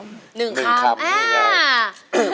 ๑คำนี่ไง